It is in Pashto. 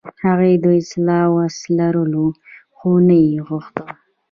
هغوی د اصلاح وس لرلو، خو نه یې غوښت.